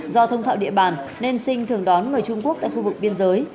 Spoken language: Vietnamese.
do thông thạo địa bàn nên sinh thường đón người trung quốc tại khu vực biên giới